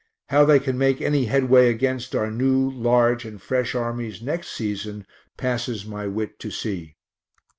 How they can make any headway against our new, large, and fresh armies next season passes my wit to see.